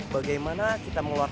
bagaimana kita mengeluarkan